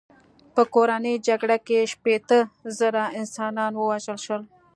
په کورنۍ جګړه کې شپېته زره انسانان ووژل شول.